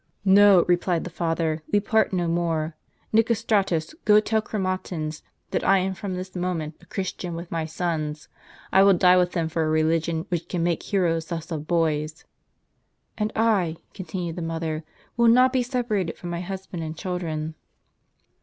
" JN'o," replied the father, "we part no more. Nicostratus, go tell Chromatins that I am from this moment a Christian with my sons ; I will die with them for a religion which can make heroes thus of boys." "And I," continued the mother, " will not be sej^arated from my husband and children."